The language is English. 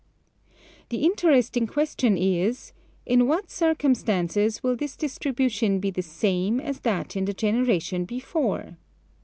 The interesting question is — in what cir cumstances will this distribution be the same as that in the generation before?